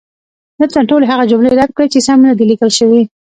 لطفا ټولې هغه جملې رد کړئ، چې سمې نه دي لیکل شوې.